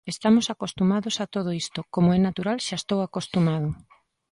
Estamos acostumados a todo isto, como é natural xa estou acostumado.